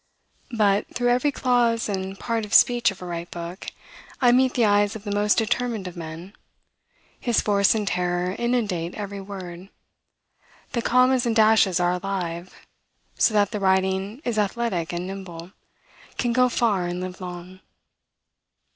But, through every clause and part of speech of a right book, I meet the eyes of the most determined of men: his force and terror inundate every word: the commas and dashes are alive; so that the writing is athletic and nimble, can go far and live long.